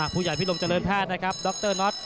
ผู้ใหญ่พิรมเจริญแพทย์นะครับดรน็อต